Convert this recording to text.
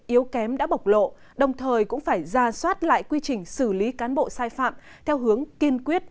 yếu kém đã bộc lộ đồng thời cũng phải ra soát lại quy trình xử lý cán bộ sai phạm theo hướng kiên quyết